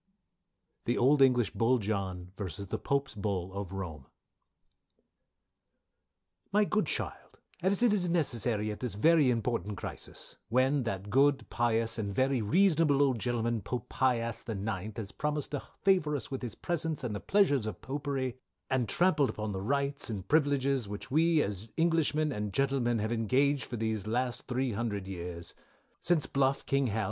THE OLD ENGLISH BULL JOHN v. THE POPE'S BULL OF ROME. "My good Child as it is necessary at this very important crisis; when, that good pious and very reasonable old gentleman Pope Pi ass the nineth has promised to favour us with his presence, and the pleasures of Popery and trampled on the rights and privilages which, we, as Englishmen, and Protestants, have engaged for these last three hundred years Since Bluff, king Hal.